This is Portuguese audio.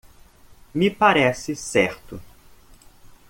Me parece certo.